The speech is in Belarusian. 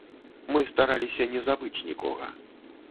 Мы стараліся не забыць нікога.